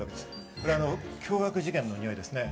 これは凶悪事件のにおいですね